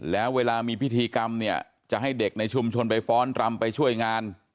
แล้วเวลามีพิธีกรรมเนี่ยจะให้เด็กในชุมชนไปฟ้อนรำไปช่วยงาน